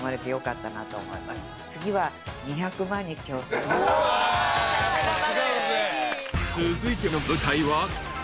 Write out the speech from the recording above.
［続いての舞台は高知県］